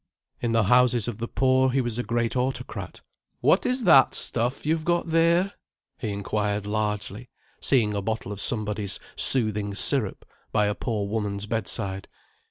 In the houses of the poor he was a great autocrat. "What is that stuff you've got there!" he inquired largely, seeing a bottle of somebody's Soothing Syrup by a poor woman's bedside.